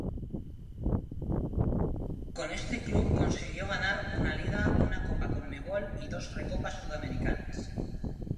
Con este club consiguió ganar una Liga, una Copa Conmebol y dos Recopas Sudamericanas.